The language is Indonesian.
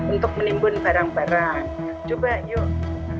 untuk menimbun barang barang yang kita inginkan